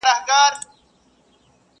په کورونو یې کړي ګډي د غم ساندي،